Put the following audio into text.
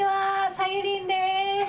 さゆりんです。